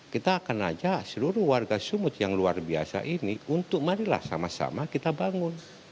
kita akan ajak seluruh warga sumut yang luar biasa ini untuk marilah sama sama kita bangun